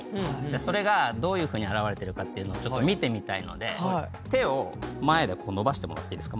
それがどういうふうに表れてるかっていうのをちょっと見てみたいので手を前で伸ばしてもらっていいですか？